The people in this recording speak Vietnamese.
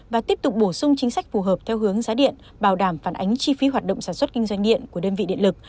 và tiếp tục bổ sung chính sách phù hợp theo hướng giá điện bảo đảm phản ánh chi phí hoạt động sản xuất kinh doanh điện của đơn vị điện lực